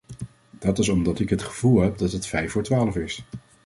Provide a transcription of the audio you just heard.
Dat is omdat ik het gevoel heb dat het vijf voor twaalf is.